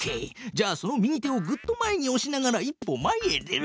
じゃあその右手をぐっと前におしながら一歩前へ出る。